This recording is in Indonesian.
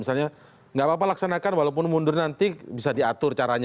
misalnya nggak apa apa laksanakan walaupun mundur nanti bisa diatur caranya